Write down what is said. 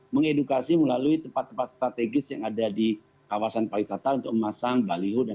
mengedukasi melalui tempat tempat strategis yang ada di kawasan pariwisata untuk memasang baliho dan